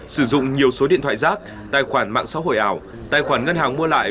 sử dụng nhiều số điện thoại rác tài khoản mạng xã hội ảo tài khoản ngân hàng mua lại